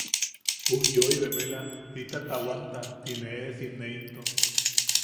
Ujyoi bemela jita taʼawamta tine eesimen into...